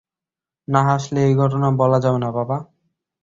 না-হাসলে এই ঘটনা বলা যাবে না বাবা!